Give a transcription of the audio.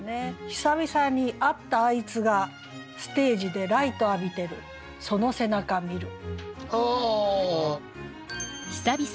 「久々にあったあいつがステージでライト浴びてるその背中見る」。